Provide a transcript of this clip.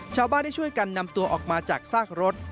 ชาวบ้านได้ช่วยกันนำตัวออกมาจากซากรถ